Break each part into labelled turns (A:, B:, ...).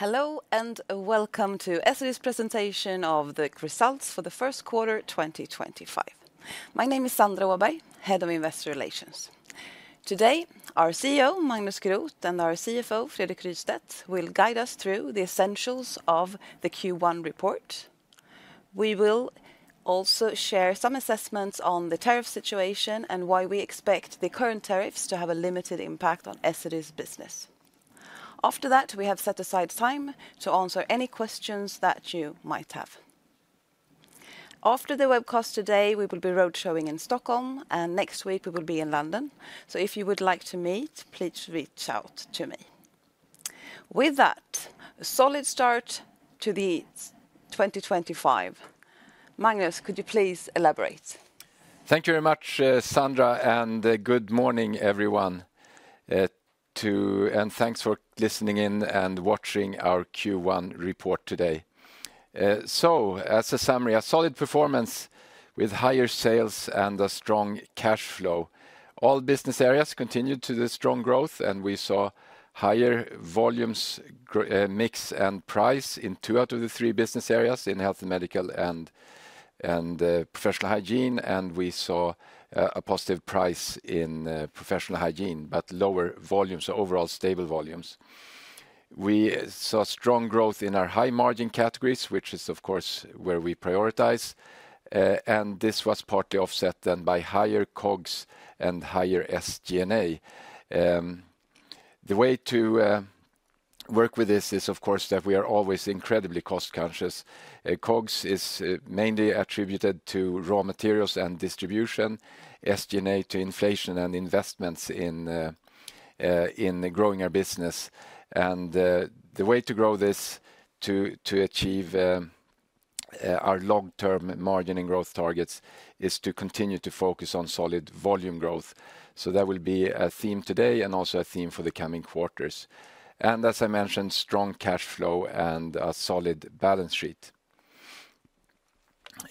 A: Hello and welcome to Essity's presentation of the results for the first quarter 2025. My name is Sandra Åberg, Head of Investor Relations. Today, our CEO, Magnus Groth, and our CFO, Fredrik Rystedt, will guide us through the essentials of the Q1 report. We will also share some assessments on the tariff situation and why we expect the current tariffs to have a limited impact on Essity's business. After that, we have set aside time to answer any questions that you might have. After the webcast today, we will be roadshowing in Stockholm, and next week we will be in London. If you would like to meet, please reach out to me. With that, a solid start to 2025. Magnus, could you please elaborate?
B: Thank you very much, Sandra, and good morning, everyone. Thank you for listening in and watching our Q1 report today. As a summary, a solid performance with higher sales and a strong cash flow. All business areas continued to the strong growth, and we saw higher volumes, mix, and price in two out of the three business areas in Health & Medical and Professional Hygiene. We saw a positive price in Professional Hygiene, but lower volumes, overall stable volumes. We saw strong growth in our high margin categories, which is, of course, where we prioritize. This was partly offset then by higher COGS and higher SG&A. The way to work with this is, of course, that we are always incredibly cost-conscious. COGS is mainly attributed to raw materials and distribution, SG&A to inflation and investments in growing our business. The way to grow this to achieve our long-term margin and growth targets is to continue to focus on solid volume growth. That will be a theme today and also a theme for the coming quarters. As I mentioned, strong cash flow and a solid balance sheet.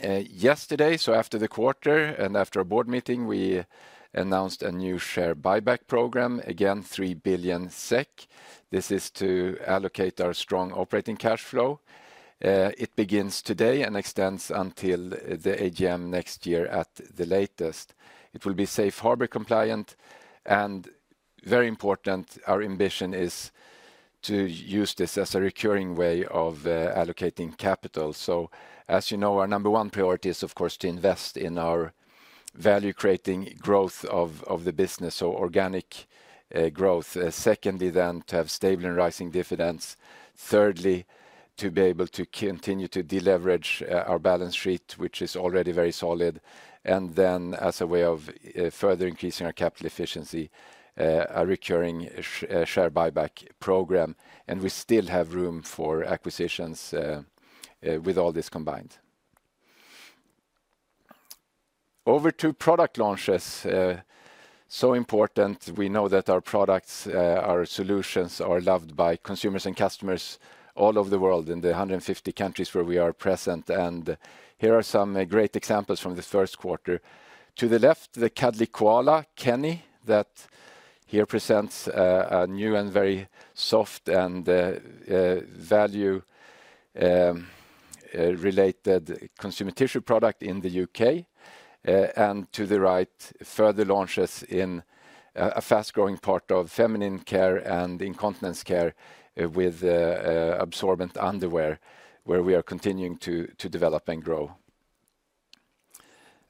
B: Yesterday, after the quarter and after our board meeting, we announced a new share buyback program, again, 3 billion SEK. This is to allocate our strong operating cash flow. It begins today and extends until the AGM next year at the latest. It will be safe harbor compliant. Very important, our ambition is to use this as a recurring way of allocating capital. As you know, our number one priority is, of course, to invest in our value-creating growth of the business, so organic growth. Secondly, then to have stable and rising dividends. Thirdly, to be able to continue to deleverage our balance sheet, which is already very solid. Then, as a way of further increasing our capital efficiency, a recurring share buyback program. We still have room for acquisitions with all this combined. Over to product launches. It is important, we know that our products, our solutions are loved by consumers and customers all over the world in the 150 countries where we are present. Here are some great examples from the first quarter. To the left, the Cuddly Koala Kenny that here presents a new and very soft and value-related Consumer Tissue product in the U.K. To the right, further launches in a fast-growing part of Feminine Care and Incontinence Care with absorbent underwear, where we are continuing to develop and grow.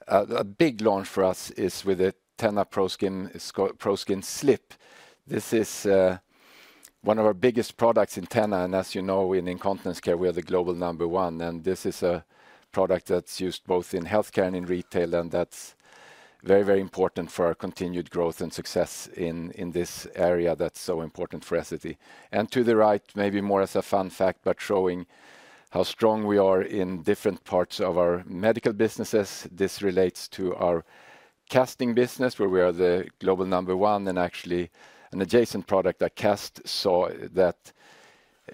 B: A big launch for us is with a TENA ProSkin Slip. This is one of our biggest products in TENA. As you know, in Incontinence Care, we are the global number one. This is a product that's used both in healthcare and in retail. That's very, very important for our continued growth and success in this area that's so important for Essity. To the right, maybe more as a fun fact, but showing how strong we are in different parts of our medical businesses. This relates to our casting business, where we are the global number one and actually an adjacent product, a cast saw that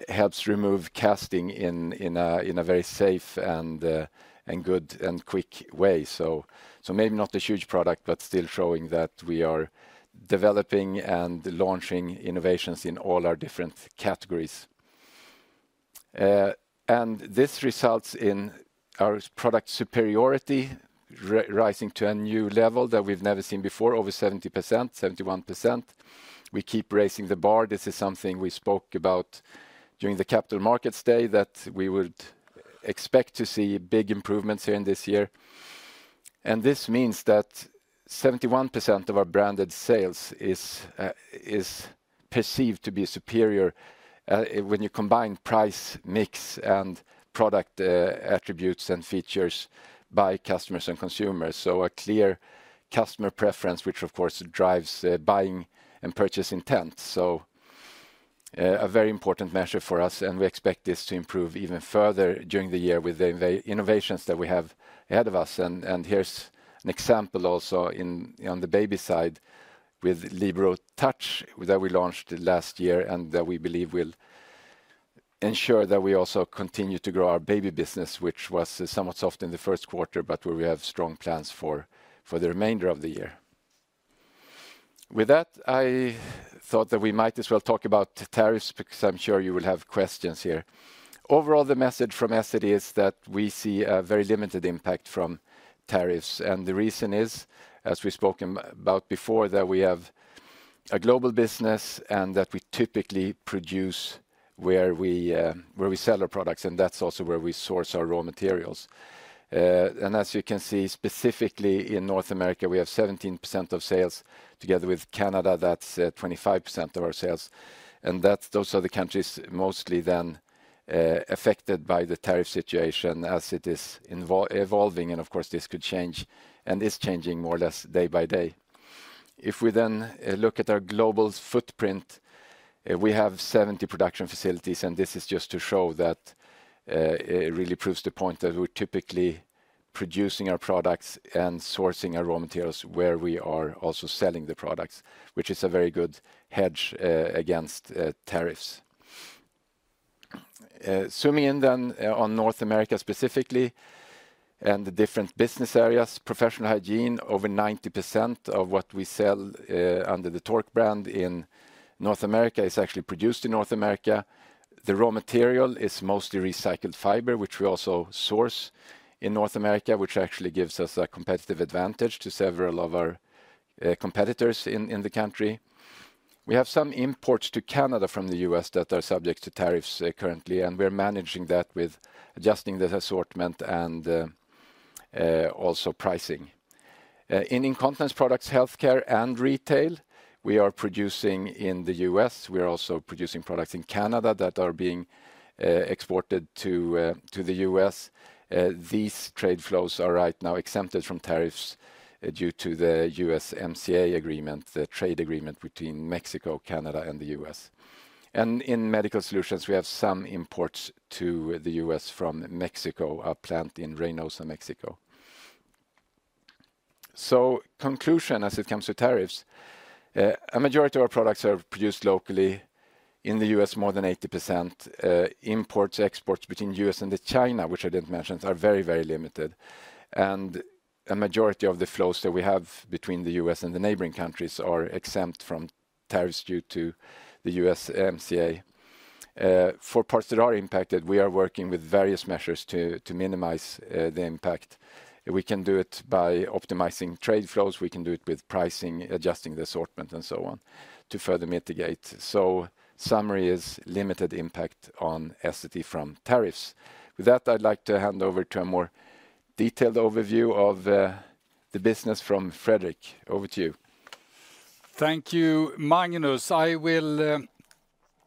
B: helps remove casting in a very safe and good and quick way. Maybe not a huge product, but still showing that we are developing and launching innovations in all our different categories. This results in our product superiority rising to a new level that we have never seen before, over 70%, 71%. We keep raising the bar. This is something we spoke about during the Capital Markets Day that we would expect to see big improvements here in this year. This means that 71% of our branded sales is perceived to be superior when you combine price mix and product attributes and features by customers and consumers. A clear customer preference, which of course drives buying and purchase intent. A very important measure for us. We expect this to improve even further during the year with the innovations that we have ahead of us. Here's an example also on the baby side with Libro Touch that we launched last year and that we believe will ensure that we also continue to grow our baby business, which was somewhat soft in the first quarter, but where we have strong plans for the remainder of the year. With that, I thought that we might as well talk about tariffs because I'm sure you will have questions here. Overall, the message from Essity is that we see a very limited impact from tariffs. The reason is, as we've spoken about before, that we have a global business and that we typically produce where we sell our products. That's also where we source our raw materials. As you can see, specifically in North America, we have 17% of sales together with Canada. That's 25% of our sales. Those are the countries mostly then affected by the tariff situation as it is evolving. Of course, this could change and is changing more or less day by day. If we then look at our global footprint, we have 70 production facilities. This is just to show that it really proves the point that we're typically producing our products and sourcing our raw materials where we are also selling the products, which is a very good hedge against tariffs. Zooming in then on North America specifically and the different business areas, Professional Hygiene, over 90% of what we sell under the Tork brand in North America is actually produced in North America. The raw material is mostly recycled fiber, which we also source in North America, which actually gives us a competitive advantage to several of our competitors in the country. We have some imports to Canada from the U.S. that are subject to tariffs currently. We are managing that with adjusting the assortment and also pricing. In incontinence products, healthcare and retail, we are producing in the U.S. We are also producing products in Canada that are being exported to the U.S. These trade flows are right now exempted from tariffs due to the USMCA agreement, the trade agreement between Mexico, Canada, and the U.S. In Medical Solutions, we have some imports to the U.S. from Mexico, a plant in Reynosa, Mexico. Conclusion as it comes to tariffs, a majority of our products are produced locally in the U.S., more than 80%. Imports, exports between the U.S. and China, which I did not mention, are very, very limited. A majority of the flows that we have between the U.S. and the neighboring countries are exempt from tariffs due to the USMCA. For parts that are impacted, we are working with various measures to minimize the impact. We can do it by optimizing trade flows. We can do it with pricing, adjusting the assortment, and so on to further mitigate. The summary is limited impact on Essity from tariffs. With that, I'd like to hand over to a more detailed overview of the business from Fredrik. Over to you.
C: Thank you, Magnus.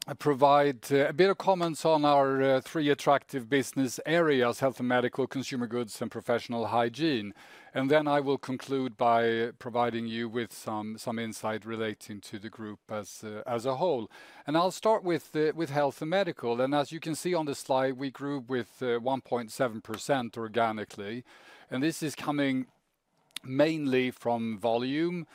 C: I will provide a bit of comments on our three attractive business areas, Health & Medical, Consumer Goods, and Professional Hygiene. I will conclude by providing you with some insight relating to the group as a whole. I will start with Health & Medical. As you can see on the slide, we grew with 1.7% organically. This is coming mainly from volume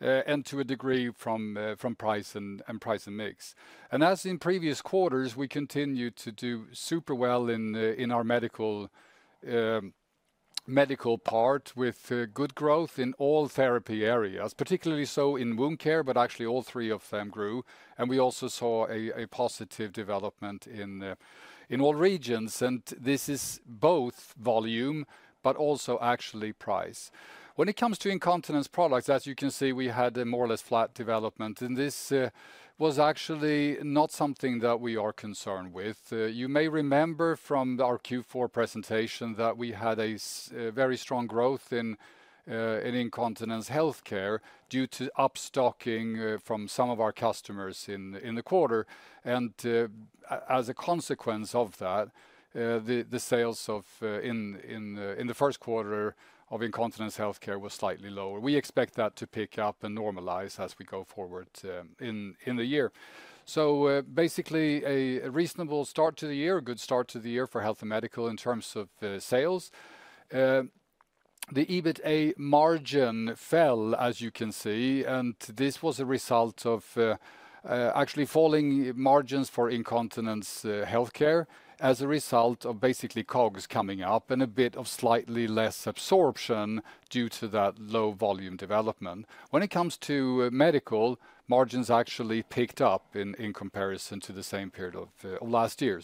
C: and to a degree from price and price and mix. As in previous quarters, we continue to do super well in our medical part with good growth in all therapy areas, particularly so in wound care, but actually all three of them grew. We also saw a positive development in all regions. This is both volume, but also actually price. When it comes to incontinence products, as you can see, we had a more or less flat development. This was actually not something that we are concerned with. You may remember from our Q4 presentation that we had very strong growth in Incontinence Health Care due to upstocking from some of our customers in the quarter. As a consequence of that, the sales in the first quarter of Incontinence Health Care were slightly lower. We expect that to pick up and normalize as we go forward in the year. Basically a reasonable start to the year, a good start to the year for Health & Medical in terms of sales. The EBITA margin fell, as you can see. This was a result of actually falling margins for Incontinence Health Care as a result of COGS coming up and a bit of slightly less absorption due to that low volume development. When it comes to medical, margins actually picked up in comparison to the same period of last year.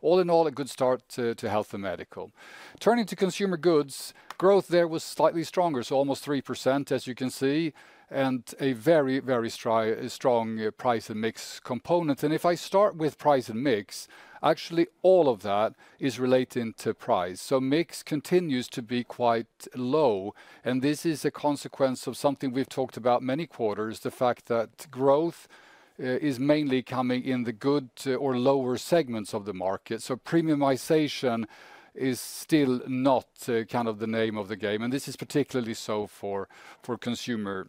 C: All in all, a good start to Health & Medical. Turning to Consumer Goods, growth there was slightly stronger, so almost 3%, as you can see, and a very, very strong price and mix component. If I start with price and mix, actually all of that is relating to price. Mix continues to be quite low. This is a consequence of something we've talked about many quarters, the fact that growth is mainly coming in the good or lower segments of the market. Premiumization is still not kind of the name of the game. This is particularly so for Consumer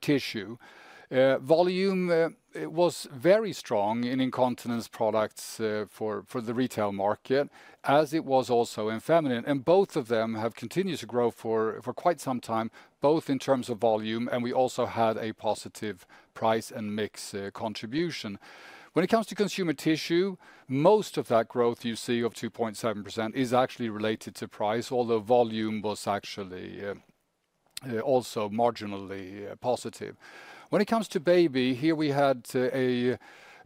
C: Tissue. Volume was very strong in incontinence products for the retail market, as it was also in feminine. Both of them have continued to grow for quite some time, both in terms of volume. We also had a positive price and mix contribution. When it comes to Consumer Tissue, most of that growth you see of 2.7% is actually related to price, although volume was actually also marginally positive. When it comes to baby, here we had a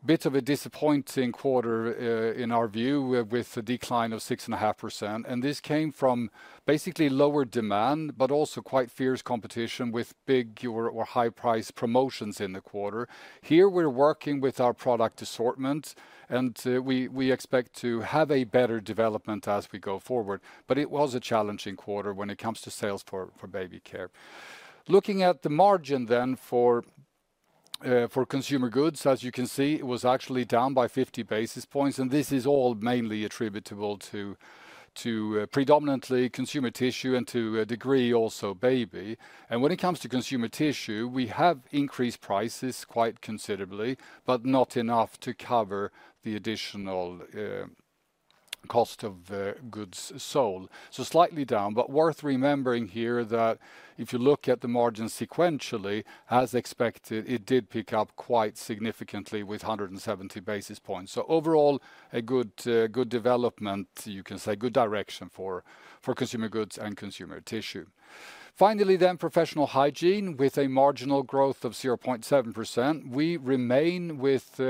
C: bit of a disappointing quarter in our view with a decline of 6.5%. This came from basically lower demand, but also quite fierce competition with big or high-priced promotions in the quarter. Here we're working with our product assortment, and we expect to have a better development as we go forward. It was a challenging quarter when it comes to sales for Baby Care. Looking at the margin then for Consumer Goods, as you can see, it was actually down by 50 basis points. This is all mainly attributable to predominantly Consumer Tissue and to a degree also baby. When it comes to Consumer Tissue, we have increased prices quite considerably, but not enough to cover the additional cost of goods sold. Slightly down, but worth remembering here that if you look at the margin sequentially, as expected, it did pick up quite significantly with 170 basis points. Overall, a good development, you can say good direction for Consumer Goods and Consumer Tissue. Finally, Professional Hygiene with a marginal growth of 0.7%. We remain with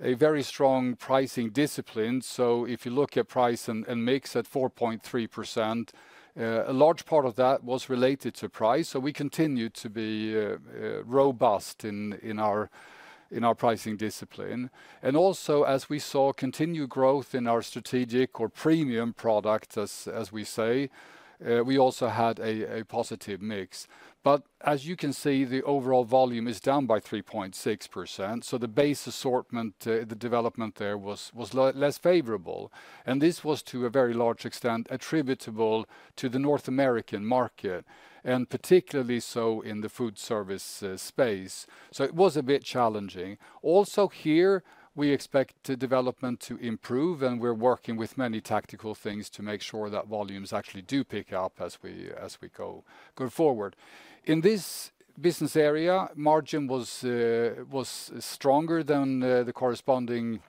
C: a very strong pricing discipline. If you look at price and mix at 4.3%, a large part of that was related to price. We continue to be robust in our pricing discipline. As we saw, continued growth in our strategic or premium products, as we say, we also had a positive mix. You can see the overall volume is down by 3.6%. The base assortment, the development there was less favorable. This was to a very large extent attributable to the North American market, particularly in the food service space. It was a bit challenging. Here, we expect development to improve. We are working with many tactical things to make sure that volumes actually do pick up as we go forward. In this business area, margin was stronger than the corresponding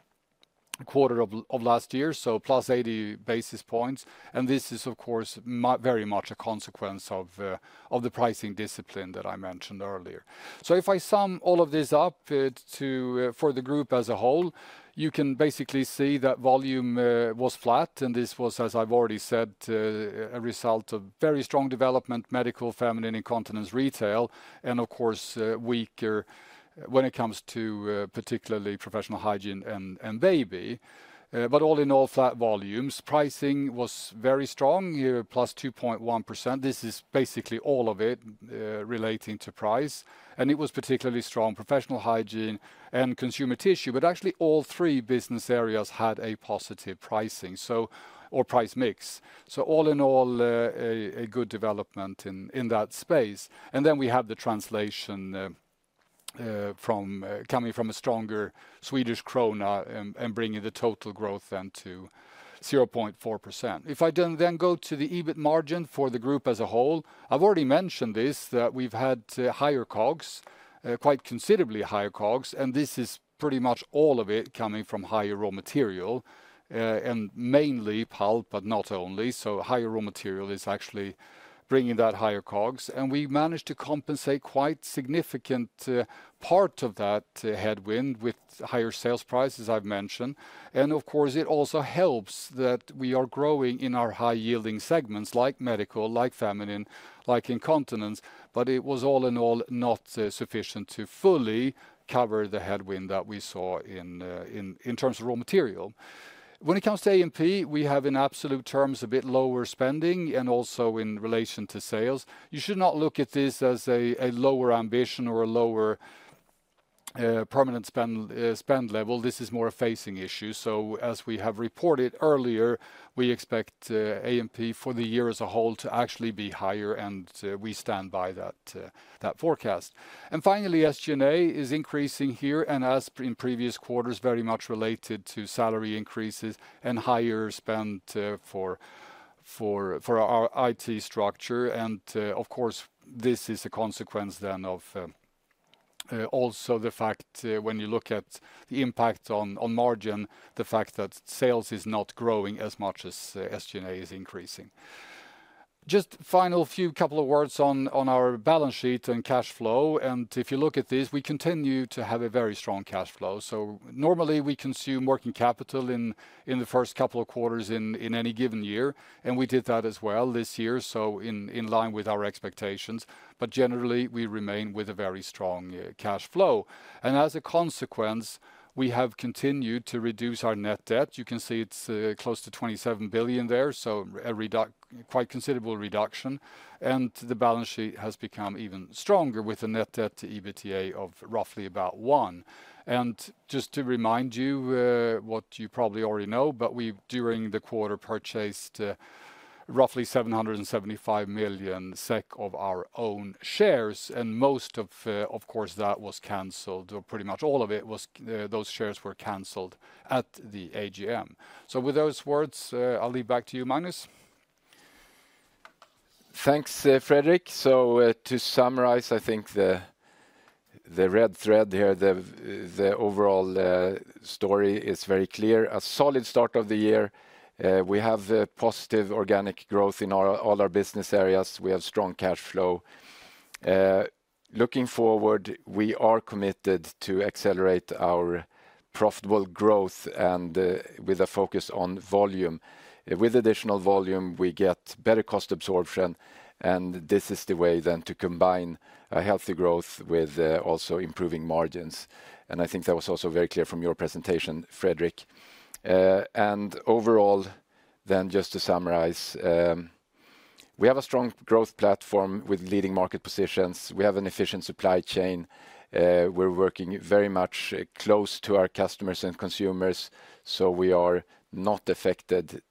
C: quarter of last year, +80 basis points. This is, of course, very much a consequence of the pricing discipline that I mentioned earlier. If I sum all of this up for the group as a whole, you can basically see that volume was flat. This was, as I have already said, a result of very strong development, medical, feminine, incontinence, retail, and of course, weaker when it comes to particularly Professional Hygiene and baby. All in all, flat volumes, pricing was very strong, plus 2.1%. This is basically all of it relating to price. It was particularly strong, Professional Hygiene and Consumer Tissue, but actually all three business areas had a positive pricing or price mix. All in all, a good development in that space. We have the translation coming from a stronger Swedish krona and bringing the total growth then to 0.4%. If I then go to the EBIT margin for the group as a whole, I've already mentioned this that we've had higher COGS, quite considerably higher COGS. This is pretty much all of it coming from higher raw material and mainly pulp, but not only. Higher raw material is actually bringing that higher COGS. We managed to compensate quite a significant part of that headwind with higher sales prices, I've mentioned. Of course, it also helps that we are growing in our high-yielding segments like medical, like feminine, like incontinence. It was all in all not sufficient to fully cover the headwind that we saw in terms of raw material. When it comes to A&P, we have in absolute terms a bit lower spending and also in relation to sales. You should not look at this as a lower ambition or a lower permanent spend level. This is more a phasing issue. As we have reported earlier, we expect A&P for the year as a whole to actually be higher. We stand by that forecast. Finally, SG&A is increasing here and as in previous quarters, very much related to salary increases and higher spend for our IT structure. Of course, this is a consequence then of also the fact when you look at the impact on margin, the fact that sales is not growing as much as SG&A is increasing. Just final few couple of words on our balance sheet and cash flow. If you look at this, we continue to have a very strong cash flow. Normally we consume working capital in the first couple of quarters in any given year. We did that as well this year, in line with our expectations. Generally, we remain with a very strong cash flow. As a consequence, we have continued to reduce our net debt. You can see it is close to 27 billion there, a quite considerable reduction. The balance sheet has become even stronger with a net debt to EBITDA of roughly about one. Just to remind you, what you probably already know, during the quarter we purchased roughly 775 million SEK of our own shares. Most of, of course, that was canceled, or pretty much all of it, those shares were canceled at the AGM. With those words, I will leave back to you, Magnus.
B: Thanks, Fredrik. To summarize, I think the red thread here, the overall story is very clear. A solid start of the year. We have positive organic growth in all our business areas. We have strong cash flow. Looking forward, we are committed to accelerate our profitable growth and with a focus on volume. With additional volume, we get better cost absorption. This is the way then to combine healthy growth with also improving margins. I think that was also very clear from your presentation, Fredrik. Overall, just to summarize, we have a strong growth platform with leading market positions. We have an efficient supply chain. We're working very much close to our customers and consumers. We are not affected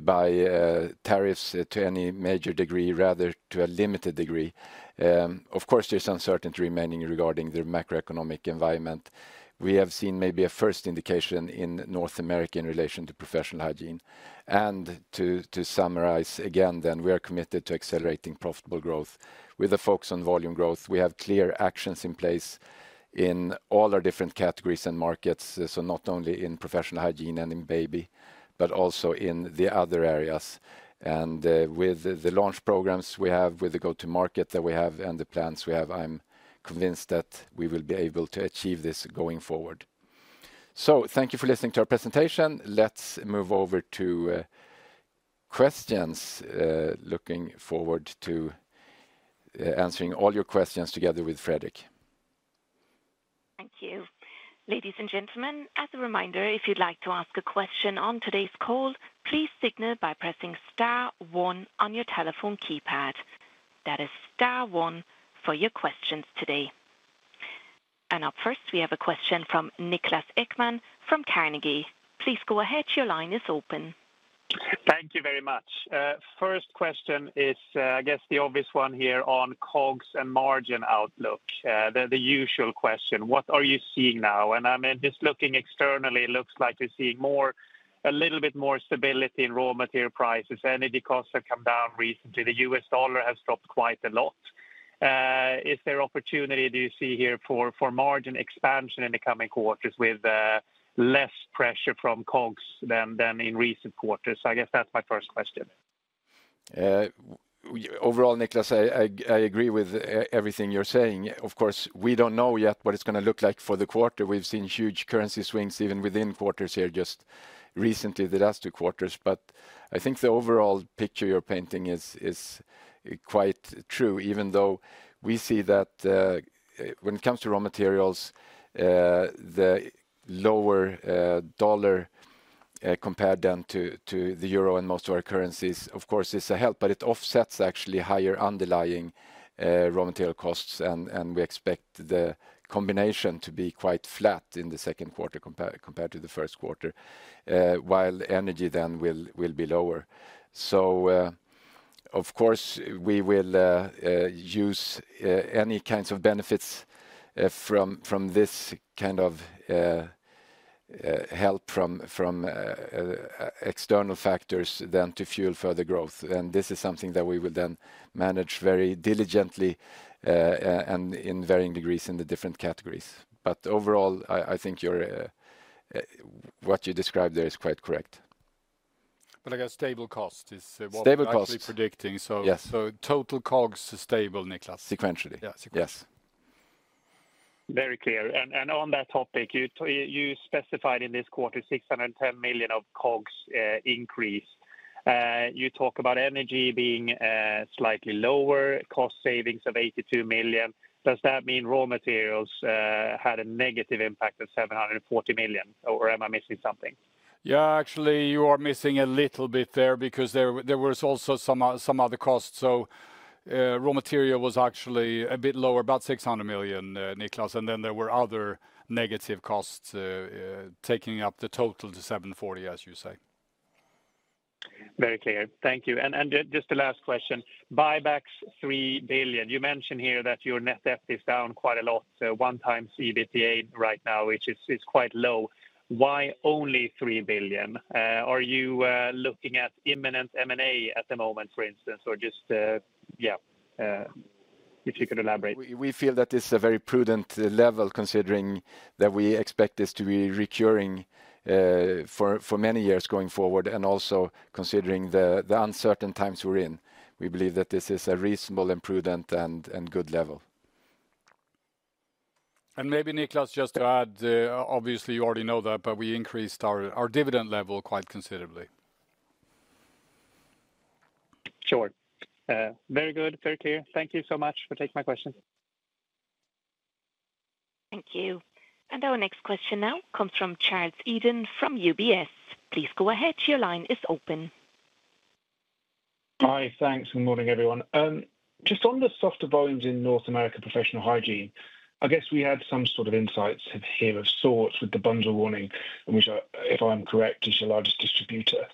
B: by tariffs to any major degree, rather to a limited degree. Of course, there's uncertainty remaining regarding the macroeconomic environment. We have seen maybe a first indication in North America in relation to Professional Hygiene. To summarize again then, we are committed to accelerating profitable growth with a focus on volume growth. We have clear actions in place in all our different categories and markets, not only in Professional Hygiene and in baby, but also in the other areas. With the launch programs we have, with the go-to-market that we have, and the plans we have, I'm convinced that we will be able to achieve this going forward. Thank you for listening to our presentation. Let's move over to questions, looking forward to answering all your questions together with Fredrik.
D: Thank you. Ladies and gentlemen, as a reminder, if you'd like to ask a question on today's call, please signal by pressing star one on your telephone keypad. That is star one for your questions today. Up first, we have a question from Niklas Ekman from Carnegie. Please go ahead. Your line is open.
E: Thank you very much. First question is, I guess the obvious one here on COGS and margin outlook, the usual question. What are you seeing now? I mean, just looking externally, it looks like we're seeing a little bit more stability in raw material prices. Energy costs have come down recently. The U.S. dollar has dropped quite a lot. Is there opportunity do you see here for margin expansion in the coming quarters with less pressure from COGS than in recent quarters? I guess that's my first question.
B: Overall, Niklas, I agree with everything you're saying. Of course, we don't know yet what it's going to look like for the quarter. We've seen huge currency swings even within quarters here just recently, the last two quarters. I think the overall picture you're painting is quite true, even though we see that when it comes to raw materials, the lower dollar compared then to the euro and most of our currencies, of course, is a help, but it offsets actually higher underlying raw material costs. We expect the combination to be quite flat in the second quarter compared to the first quarter, while energy then will be lower. Of course, we will use any kinds of benefits from this kind of help from external factors then to fuel further growth. This is something that we will then manage very diligently and in varying degrees in the different categories. Overall, I think what you described there is quite correct.
C: I guess stable cost is what we're predicting.
B: Stable cost.
C: Total COGS is stable, Niklas.
B: Sequentially.
C: Yes.
E: Very clear. On that topic, you specified in this quarter 610 million of COGS increase. You talk about energy being slightly lower, cost savings of 82 million. Does that mean raw materials had a negative impact of 740 million? Or am I missing something?
C: Yeah, actually, you are missing a little bit there because there was also some other costs. So raw material was actually a bit lower, about 600 million, Niklas. And then there were other negative costs taking up the total to 740 million, as you say.
E: Very clear. Thank you. Just the last question, buybacks 3 billion. You mentioned here that your net debt is down quite a lot, 1x EBITDA right now, which is quite low. Why only 3 billion? Are you looking at imminent M&A at the moment, for instance, or just, yeah, if you could elaborate?
B: We feel that this is a very prudent level considering that we expect this to be recurring for many years going forward and also considering the uncertain times we're in. We believe that this is a reasonable and prudent and good level.
C: Maybe, Niklas, just to add, obviously, you already know that, but we increased our dividend level quite considerably.
E: Sure. Very good, very clear. Thank you so much for taking my question.
D: Thank you. Our next question now comes from Charles Eden from UBS. Please go ahead. Your line is open.
F: Hi, thanks. Good morning, everyone. Just on the softer volumes in North America Professional Hygiene, I guess we had some sort of insights here of sorts with the Bunzl warning, which, if I'm correct, is your largest distributor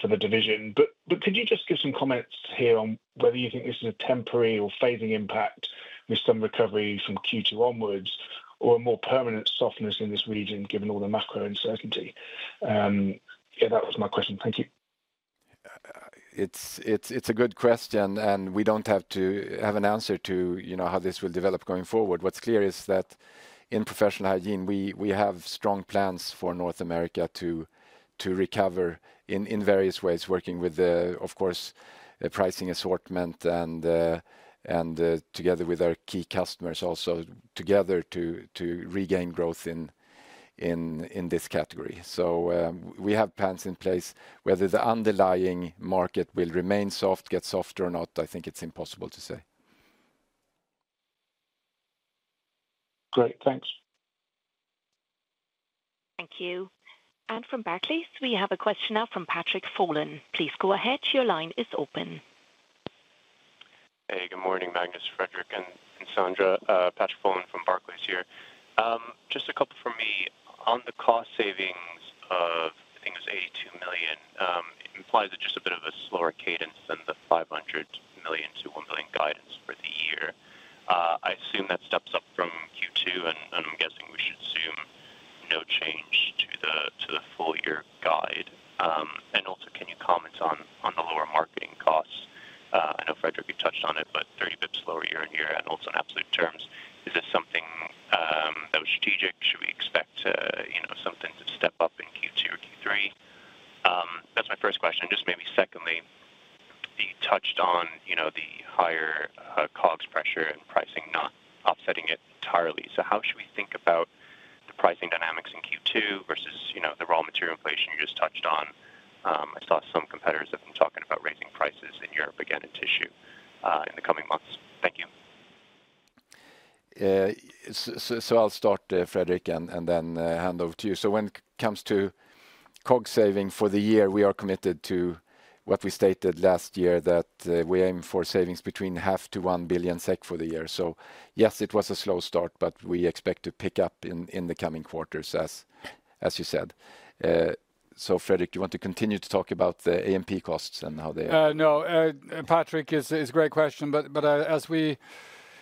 F: for the division. Could you just give some comments here on whether you think this is a temporary or phasing impact with some recovery from Q2 onwards or a more permanent softness in this region given all the macro uncertainty? Yeah, that was my question. Thank you.
B: It's a good question. We don't have to have an answer to how this will develop going forward. What's clear is that in Professional Hygiene, we have strong plans for North America to recover in various ways, working with, of course, pricing assortment and together with our key customers also together to regain growth in this category. We have plans in place. Whether the underlying market will remain soft, get softer or not, I think it's impossible to say.
F: Great. Thanks.
D: Thank you. From Barclays, we have a question now from Patrick Folan. Please go ahead. Your line is open.
G: Hey, good morning, Magnus, Fredrik, and Sandra. Patrick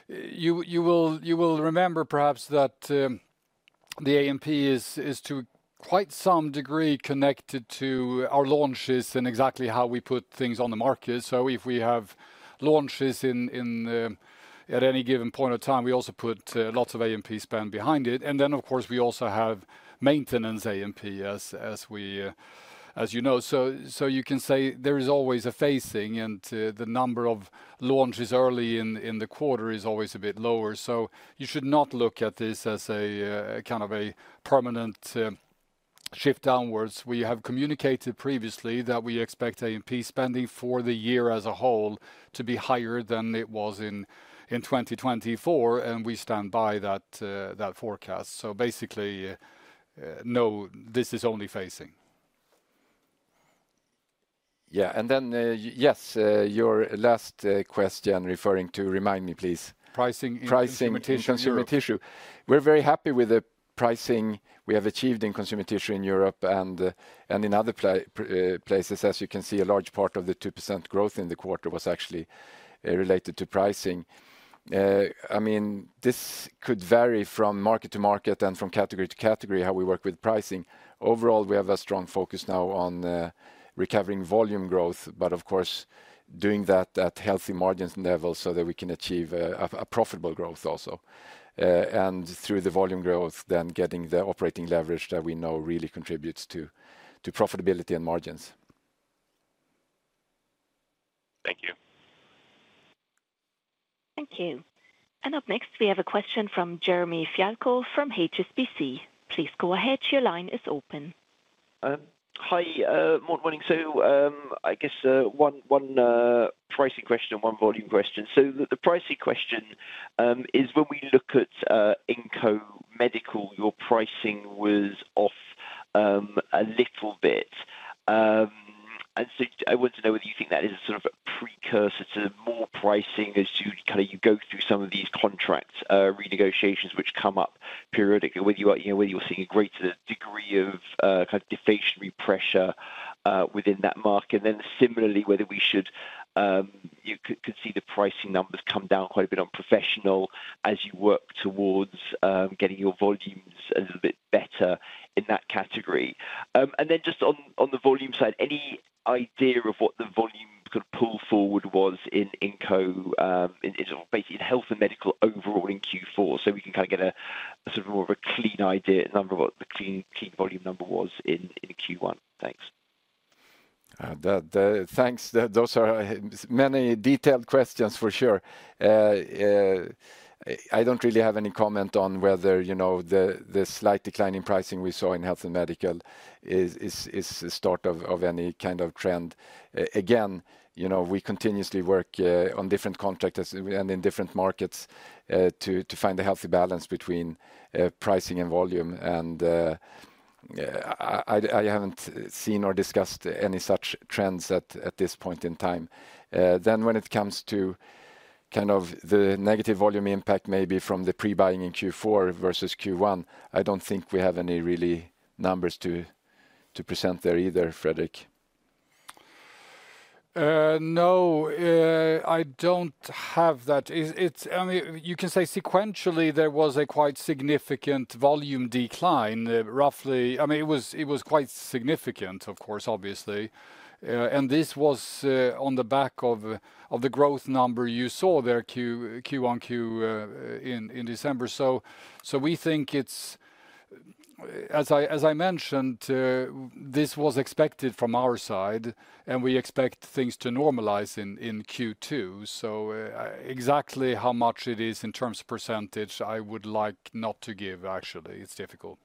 C: you will remember, perhaps, the A&P is to quite some degree connected to our launches and exactly how we put things on the market. If we have launches at any given point of time, we also put lots of A&P spend behind it. Of course, we also have maintenance A&P, as you know. You can say there is always a phasing, and the number of launches early in the quarter is always a bit lower. You should not look at this as a kind of a permanent shift downwards. We have communicated previously that we expect A&P spending for the year as a whole to be higher than it was in 2024, and we stand by that forecast. Basically, no, this is only phasing.
B: Yeah. Yes, your last question referring to, remind me, please.
C: Pricing in Consumer Tissue.
B: Pricing in Consumer Tissue. We are very happy with the pricing we have achieved in Consumer Tissue in Europe and in other places. As you can see, a large part of the 2% growth in the quarter was actually related to pricing. I mean, this could vary from market to market and from category to category how we work with pricing. Overall, we have a strong focus now on recovering volume growth, but of course, doing that at healthy margins level so that we can achieve a profitable growth also. Through the volume growth, then getting the operating leverage that we know really contributes to profitability and margins.
G: Thank you.
D: Thank you. Up next, we have a question from Jeremy Fialko from HSBC. Please go ahead. Your line is open.
H: Hi, morning to you. I guess one pricing question, one volume question. The pricing question is when we look at Inco Medical, your pricing was off a little bit. I want to know whether you think that is a sort of precursor to more pricing as you go through some of these contract renegotiations which come up periodically, whether you're seeing a greater degree of kind of deflationary pressure within that market. Similarly, whether we could see the pricing numbers come down quite a bit on professional as you work towards getting your volumes a little bit better in that category. Just on the volume side, any idea of what the volume could pull forward was in Inco in Health & Medical overall in Q4? We can kind of get a sort of more of a clean idea number of what the clean volume number was in Q1. Thanks.
B: Thanks. Those are many detailed questions for sure. I don't really have any comment on whether the slight decline in pricing we saw in Health & Medical is the start of any kind of trend. Again, we continuously work on different contractors and in different markets to find a healthy balance between pricing and volume. I haven't seen or discussed any such trends at this point in time. When it comes to kind of the negative volume impact maybe from the pre-buying in Q4 versus Q1, I don't think we have any really numbers to present there either, Fredrik.
C: No, I don't have that. You can say sequentially there was a quite significant volume decline. I mean, it was quite significant, of course, obviously. This was on the back of the growth number you saw there Q1, Q2 in December. We think it's, as I mentioned, this was expected from our side, and we expect things to normalize in Q2. Exactly how much it is in terms of percentage, I would like not to give, actually. It's difficult.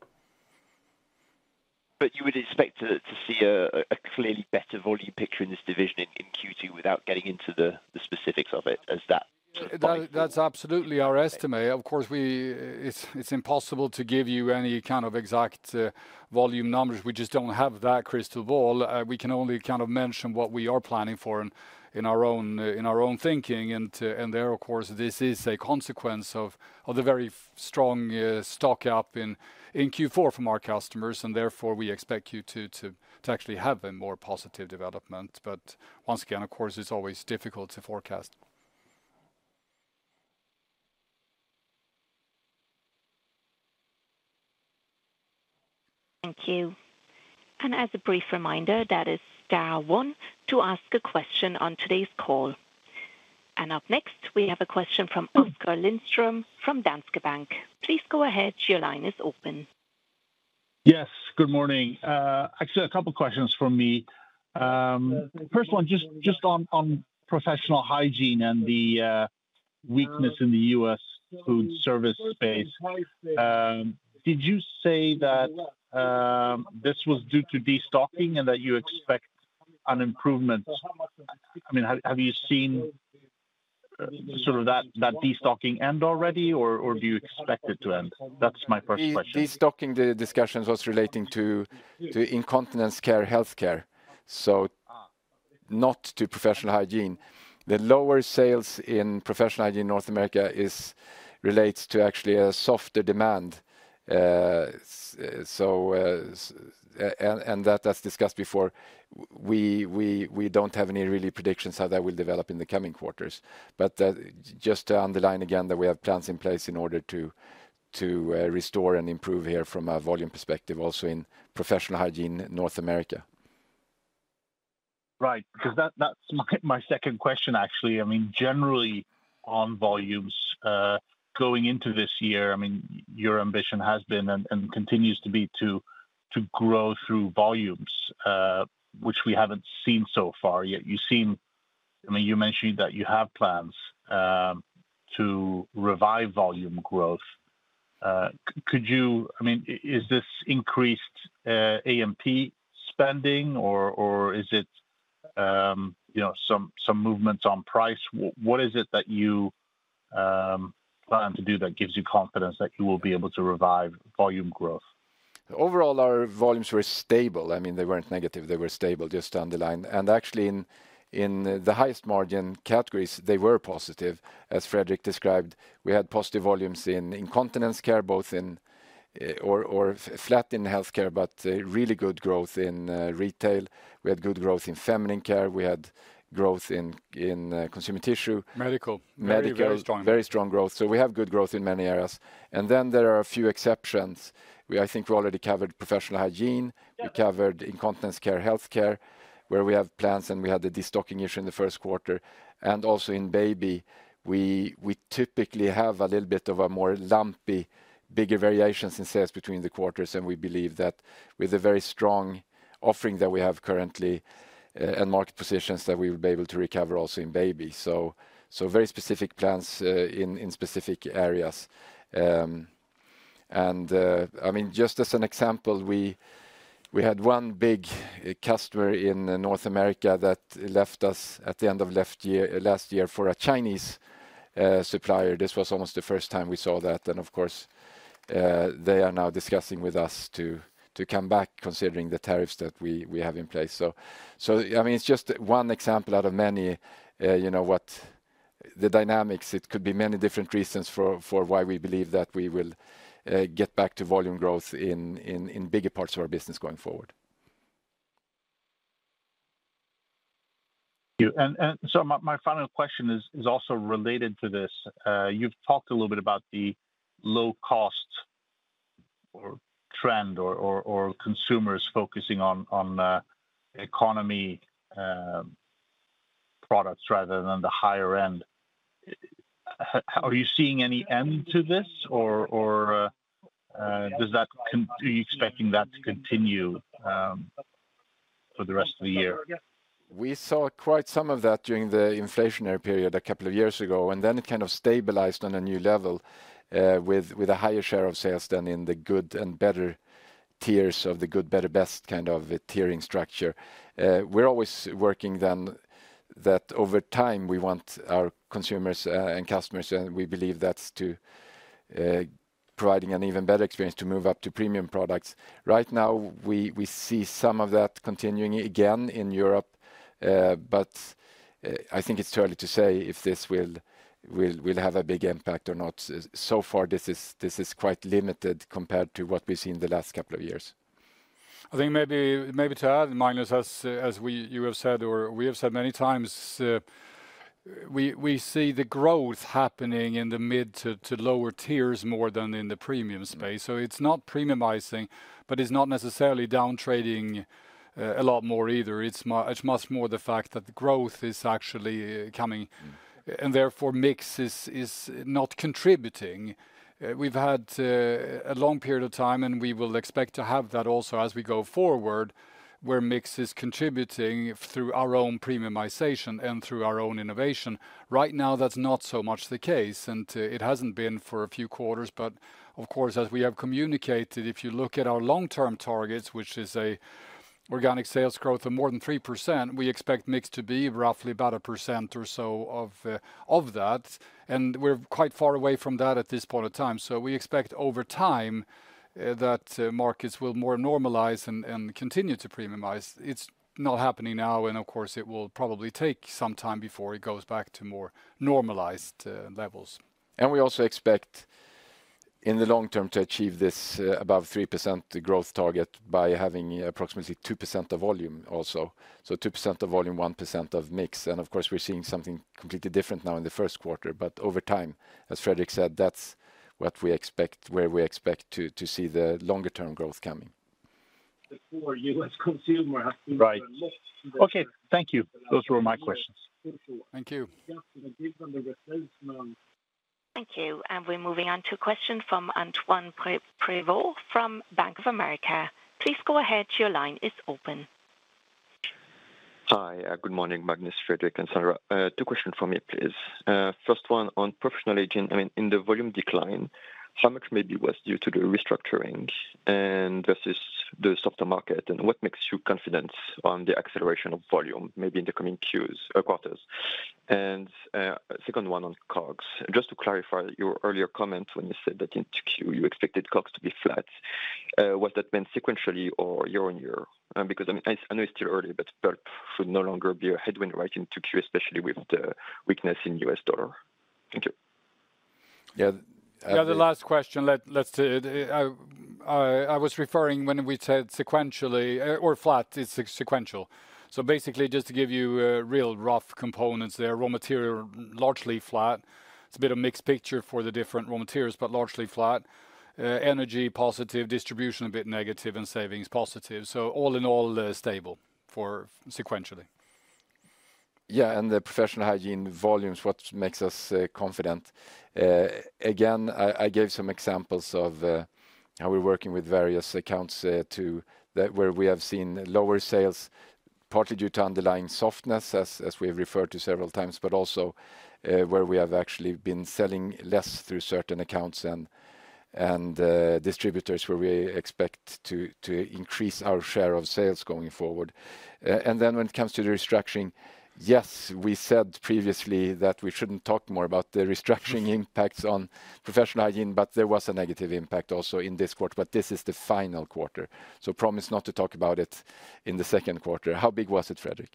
H: You would expect to see a clearly better volume picture in this division in Q2 without getting into the specifics of it as that.
C: That's absolutely our estimate. Of course, it's impossible to give you any kind of exact volume numbers. We just don't have that crystal ball. We can only kind of mention what we are planning for in our own thinking. There, of course, this is a consequence of the very strong stock up in Q4 from our customers. Therefore, we expect you to actually have a more positive development. Once again, of course, it's always difficult to forecast.
D: Thank you. As a brief reminder, that is star one to ask a question on today's call. Up next, we have a question from Oskar Lindström from Danske Bank. Please go ahead. Your line is open.
I: Yes, good morning. Actually, a couple of questions for me. First one, just on Professional Hygiene and the weakness in the U.S. food service space. Did you say that this was due to destocking and that you expect an improvement? I mean, have you seen sort of that destocking end already, or do you expect it to end? That's my first question.
B: Destocking discussions was relating to Incontinence Care, healthcare, so not to Professional Hygiene. The lower sales in Professional Hygiene in North America relates to actually a softer demand. That’s discussed before. We don't have any really predictions how that will develop in the coming quarters. Just to underline again that we have plans in place in order to restore and improve here from a volume perspective also in Professional Hygiene in North America.
I: Right. Because that's my second question, actually. I mean, generally on volumes going into this year, I mean, your ambition has been and continues to be to grow through volumes, which we haven't seen so far yet. I mean, you mentioned that you have plans to revive volume growth. I mean, is this increased A&P spending, or is it some movements on price? What is it that you plan to do that gives you confidence that you will be able to revive volume growth?
B: Overall, our volumes were stable. I mean, they were not negative. They were stable, just to underline. Actually, in the highest margin categories, they were positive. As Fredrik described, we had positive volumes in Incontinence Care, both in or flat in healthcare, but really good growth in retail. We had good growth in Feminine Care. We had growth in Consumer Tissue.
C: Medical.
B: Medical, very strong growth. We have good growth in many areas. There are a few exceptions. I think we already covered Professional Hygiene. We covered Incontinence Care, healthcare, where we have plans, and we had the destocking issue in the first quarter. Also in baby, we typically have a little bit of a more lumpy, bigger variations in sales between the quarters. We believe that with the very strong offering that we have currently and market positions that we will be able to recover also in baby. Very specific plans in specific areas. I mean, just as an example, we had one big customer in North America that left us at the end of last year for a Chinese supplier. This was almost the first time we saw that. Of course, they are now discussing with us to come back considering the tariffs that we have in place. I mean, it's just one example out of many what the dynamics. It could be many different reasons for why we believe that we will get back to volume growth in bigger parts of our business going forward.
I: My final question is also related to this. You've talked a little bit about the low-cost trend or consumers focusing on economy products rather than the higher end. Are you seeing any end to this, or are you expecting that to continue for the rest of the year?
B: We saw quite some of that during the inflationary period a couple of years ago, and then it kind of stabilized on a new level with a higher share of sales than in the good and better tiers of the good, better, best kind of tiering structure. We're always working then that over time we want our consumers and customers, and we believe that's to providing an even better experience to move up to premium products. Right now, we see some of that continuing again in Europe, but I think it's too early to say if this will have a big impact or not. So far, this is quite limited compared to what we've seen the last couple of years.
C: I think maybe to add, Magnus, as you have said, or we have said many times, we see the growth happening in the mid to lower tiers more than in the premium space. It is not premiumizing, but it is not necessarily downtrading a lot more either. It is much more the fact that growth is actually coming, and therefore mix is not contributing. We have had a long period of time, and we will expect to have that also as we go forward, where mix is contributing through our own premiumization and through our own innovation. Right now, that is not so much the case, and it has not been for a few quarters. Of course, as we have communicated, if you look at our long-term targets, which is an organic sales growth of more than 3%, we expect mix to be roughly about a percent or so of that. We are quite far away from that at this point of time. We expect over time that markets will more normalize and continue to premiumize. It is not happening now, and of course, it will probably take some time before it goes back to more normalized levels.
B: We also expect in the long term to achieve this above 3% growth target by having approximately 2% of volume also. Two percent of volume, 1% of mix. Of course, we're seeing something completely different now in the first quarter. Over time, as Fredrik said, that's what we expect, where we expect to see the longer-term growth coming.
I: Okay. Thank you. Those were my questions.
C: Thank you.
D: Thank you. We are moving on to a question from Antoine Prévot from Bank of America. Please go ahead. Your line is open.
J: Hi. Good morning, Magnus, Fredrik, and Sandra. Two questions for me, please. First one on Professional Hygiene. I mean, in the volume decline, how much maybe was due to the restructuring versus the soft market, and what makes you confident on the acceleration of volume maybe in the coming quarters? Second one on COGS. Just to clarify your earlier comment when you said that in Q2 you expected COGS to be flat. Was that meant sequentially or year on year? Because I know it's still early, but bulk should no longer be a headwind right into Q2, especially with the weakness in U.S. dollar. Thank you.
C: Yeah. Yeah, the last question. I was referring when we said sequentially or flat is sequential. Basically, just to give you real rough components there, raw material largely flat. It's a bit of a mixed picture for the different raw materials, but largely flat. Energy positive, distribution a bit negative, and savings positive. All in all, stable for sequentially.
B: Yeah. The Professional Hygiene volumes, what makes us confident? I gave some examples of how we're working with various accounts where we have seen lower sales, partly due to underlying softness, as we have referred to several times, but also where we have actually been selling less through certain accounts and distributors where we expect to increase our share of sales going forward. When it comes to the restructuring, yes, we said previously that we shouldn't talk more about the restructuring impacts on Professional Hygiene, but there was a negative impact also in this quarter. This is the final quarter. Promise not to talk about it in the second quarter. How big was it, Fredrik?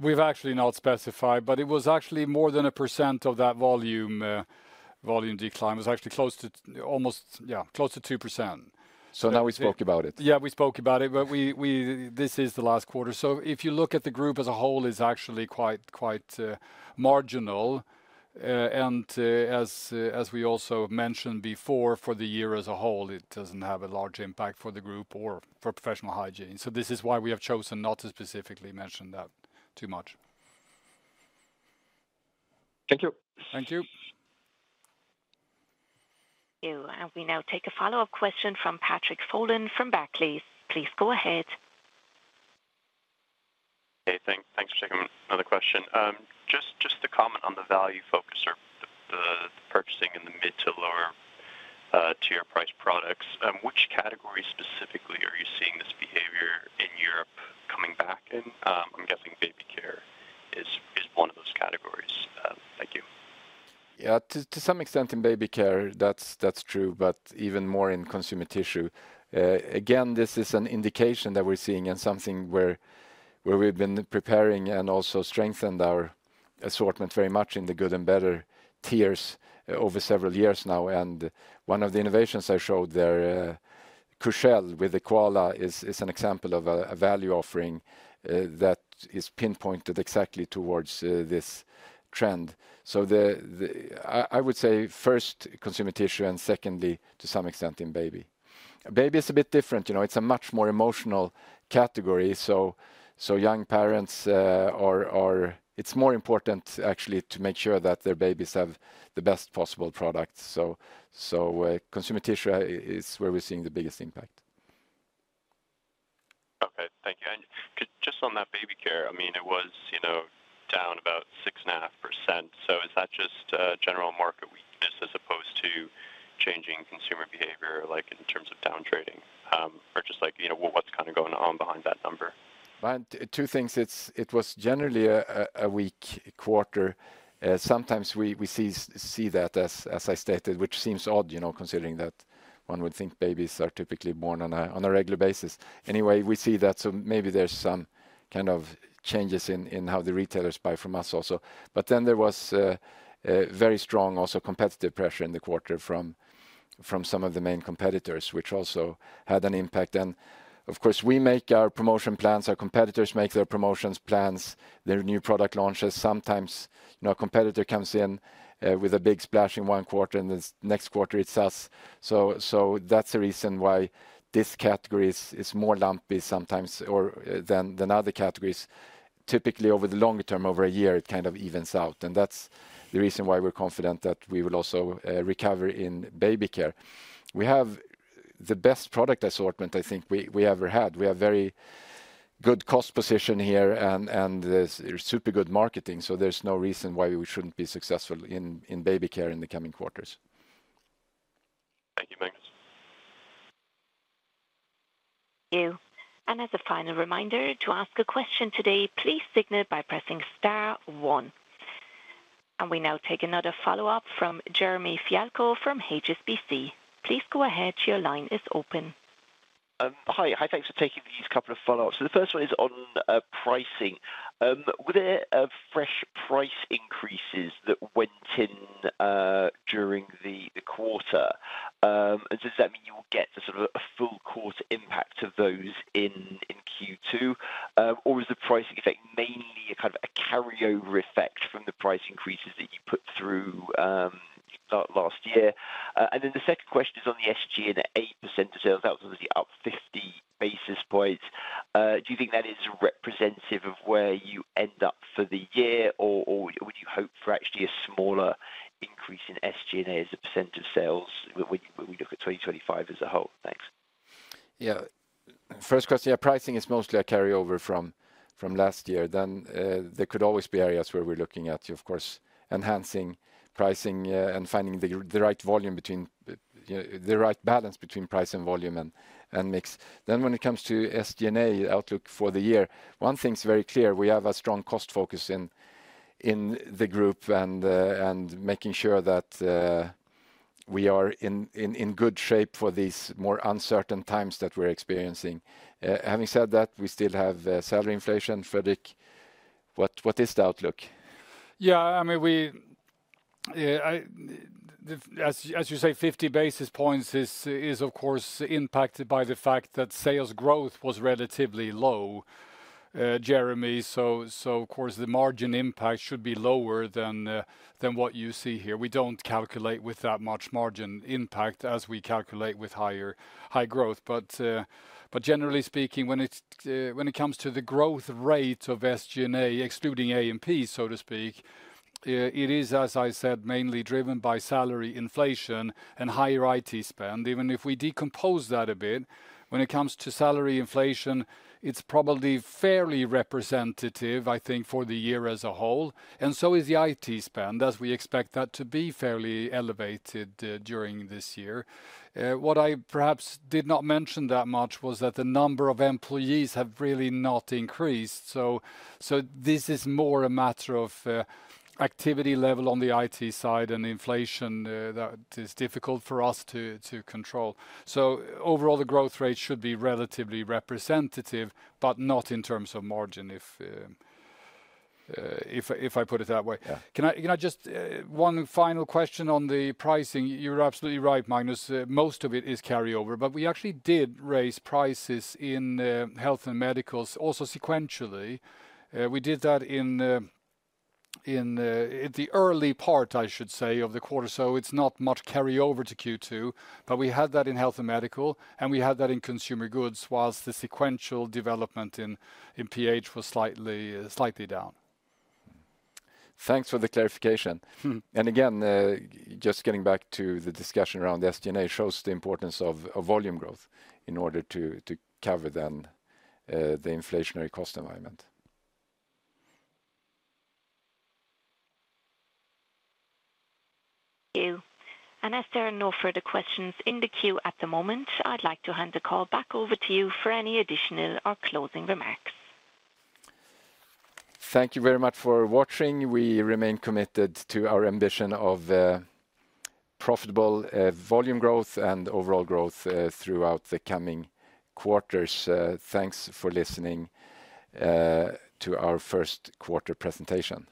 C: We've actually not specified, but it was actually more than a percent of that volume decline. It was actually close to almost, yeah, close to 2%.
B: Now we spoke about it.
C: Yeah, we spoke about it, but this is the last quarter. If you look at the group as a whole, it's actually quite marginal. As we also mentioned before, for the year as a whole, it doesn't have a large impact for the group or for Professional Hygiene. This is why we have chosen not to specifically mention that too much.
J: Thank you.
C: Thank you.
D: Thank you. We now take a follow-up question from Patrick Folan from Barclays. Please go ahead.
G: Hey, thanks for taking another question. Just to comment on the value focus or the purchasing in the mid to lower-tier price products, which category specifically are you seeing this behavior in Europe coming back in? I'm guessing Baby Care is one of those categories. Thank you.
B: Yeah. To some extent in Baby Care, that's true, but even more in Consumer Tissue. Again, this is an indication that we're seeing and something where we've been preparing and also strengthened our assortment very much in the good and better tiers over several years now. One of the innovations I showed there, Cushelle with Koala, is an example of a value offering that is pinpointed exactly towards this trend. I would say first Consumer Tissue and secondly, to some extent, in baby. Baby is a bit different. It's a much more emotional category. Young parents, it's more important actually to make sure that their babies have the best possible product. Consumer tissue is where we're seeing the biggest impact.
G: Okay. Thank you. I mean, just on that Baby Care, it was down about 6.5%. Is that just general market weakness as opposed to changing consumer behavior in terms of downtrading, or just what's kind of going on behind that number?
B: Two things. It was generally a weak quarter. Sometimes we see that, as I stated, which seems odd considering that one would think babies are typically born on a regular basis. Anyway, we see that. Maybe there's some kind of changes in how the retailers buy from us also. There was very strong also competitive pressure in the quarter from some of the main competitors, which also had an impact. Of course, we make our promotion plans, our competitors make their promotion plans, their new product launches. Sometimes a competitor comes in with a big splash in one quarter, and the next quarter it's us. That's the reason why this category is more lumpy sometimes than other categories. Typically, over the longer term, over a year, it kind of evens out. That is the reason why we are confident that we will also recover in Baby Care. We have the best product assortment I think we ever had. We have very good cost position here and super good marketing. There is no reason why we should not be successful in Baby Care in the coming quarters.
C: Thank you, Magnus.
D: Thank you. As a final reminder to ask a question today, please signal by pressing star one. We now take another follow-up from Jeremy Fialko from HSBC. Please go ahead. Your line is open.
H: Hi. Thanks for taking these couple of follow-ups. The first one is on pricing. Were there fresh price increases that went in during the quarter? Does that mean you will get the sort of full quarter impact of those in Q2? Is the price effect mainly a kind of a carryover effect from the price increases that you put through last year? The second question is on the SG&A percent of sales. That was obviously up 50 basis points. Do you think that is representative of where you end up for the year, or would you hope for actually a smaller increase in SG&A as a percent of sales when we look at 2025 as a whole? Thanks.
B: Yeah. First question, yeah, pricing is mostly a carryover from last year. There could always be areas where we're looking at, of course, enhancing pricing and finding the right volume between the right balance between price and volume and mix. When it comes to SG&A outlook for the year, one thing's very clear. We have a strong cost focus in the group and making sure that we are in good shape for these more uncertain times that we're experiencing. Having said that, we still have salary inflation. Fredrik, what is the outlook?
C: Yeah. I mean, as you say, 50 basis points is, of course, impacted by the fact that sales growth was relatively low, Jeremy. Of course, the margin impact should be lower than what you see here. We do not calculate with that much margin impact as we calculate with higher high growth. Generally speaking, when it comes to the growth rate of SG&A, excluding A&P, so to speak, it is, as I said, mainly driven by salary inflation and higher IT spend. Even if we decompose that a bit, when it comes to salary inflation, it is probably fairly representative, I think, for the year as a whole. So is the IT spend, as we expect that to be fairly elevated during this year. What I perhaps did not mention that much was that the number of employees have really not increased. This is more a matter of activity level on the IT side and inflation that is difficult for us to control. Overall, the growth rate should be relatively representative, but not in terms of margin, if I put it that way. Can I just, one final question on the pricing? You're absolutely right, Magnus. Most of it is carryover, but we actually did raise prices in Health & Medicals also sequentially. We did that in the early part, I should say, of the quarter. It's not much carryover to Q2, but we had that in Health & Medical, and we had that in Consumer Goods whilst the sequential development in PH was slightly down.
B: Thanks for the clarification. Just getting back to the discussion around SG&A, it shows the importance of volume growth in order to cover then the inflationary cost environment.
D: Thank you. As there are no further questions in the queue at the moment, I'd like to hand the call back over to you for any additional or closing remarks.
B: Thank you very much for watching. We remain committed to our ambition of profitable volume growth and overall growth throughout the coming quarters. Thanks for listening to our first quarter presentation.